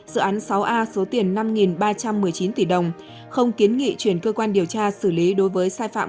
dự án sáu a số tiền năm ba trăm một mươi chín tỷ đồng không kiến nghị chuyển cơ quan điều tra xử lý đối với sai phạm